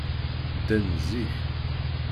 Ddan zik.